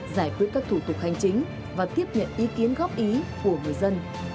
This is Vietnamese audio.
giải quyết các thủ tục hành chính và tiếp nhận ý kiến góp ý của người dân